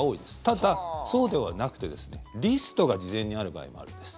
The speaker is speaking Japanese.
ただ、そうではなくてですねリストが事前にある場合もあるんです。